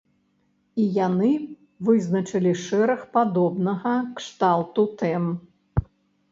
І яны вызначылі шэраг падобнага кшталту тэм.